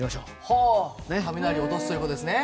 はあ雷を落とすという事ですね？